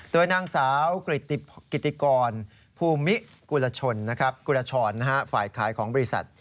โดยนางสาวกิติกรภูมิกุลชนกุลชรฝ่ายขายของบริษัท